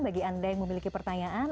bagi anda yang memiliki pertanyaan